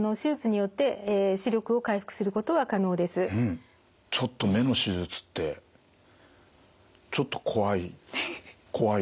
ただちょっと目の手術ってちょっと怖い怖い。